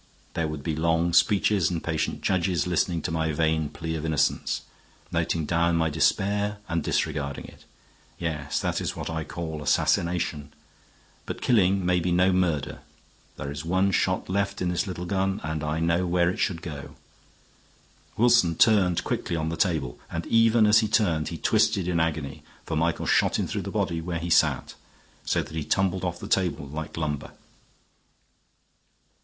There would be long speeches and patient judges listening to my vain plea of innocence, noting down my despair and disregarding it. Yes, that is what I call assassination. But killing may be no murder; there is one shot left in this little gun, and I know where it should go." Wilson turned quickly on the table, and even as he turned he twisted in agony, for Michael shot him through the body where he sat, so that he tumbled off the table like lumber.